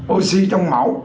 oxy trong máu